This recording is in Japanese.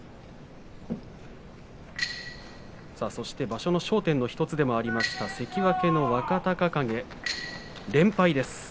そして場所の焦点の１つでもありました関脇の若隆景連敗です。